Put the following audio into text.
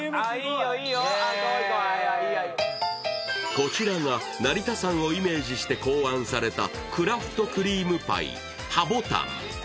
こちらが成田山をイメージして考案されたクラフトクリームパイ葉牡丹。